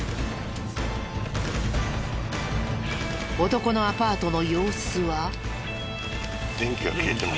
男のアパートの様子は。